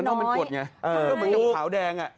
มันต้องเป็นกวดไงเหมือนยังขาวแดง